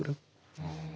うん。